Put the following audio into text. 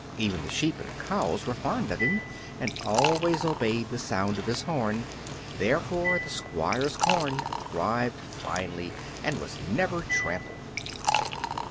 Even the sheep and the cows were fond of him, and always obeyed the sound of his horn; therefore the Squire's corn thrived finely, and was never trampled.